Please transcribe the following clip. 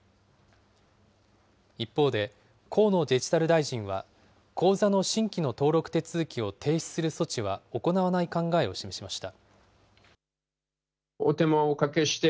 一方で、河野デジタル大臣は、口座の新規の登録手続きを停止する措置は行わない考えを示しました。